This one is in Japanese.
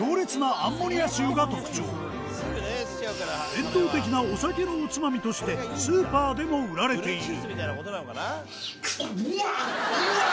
伝統的なお酒のおつまみとしてスーパーでも売られている。